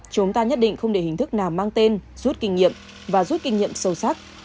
chúng ta nhất định không để hình thức nào mang tên rút kinh nghiệm và rút kinh nghiệm sâu sắc